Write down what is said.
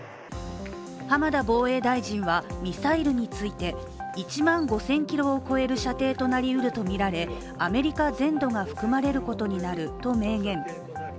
浜田防衛大臣はミサイルについて１万５０００ｋｍを超える射程になるとみられ、アメリカ全土が含まれることになると明言。